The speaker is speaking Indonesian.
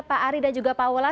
pak ari dan juga pak ula